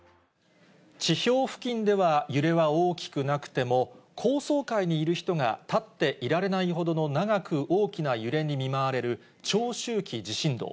地表付近では揺れは大きくなくても、高層階にいる人が立っていられないほどの長く大きな揺れに見舞われる長周期地震動。